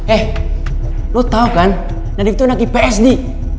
eh lo tau kan nadif itu anak ips di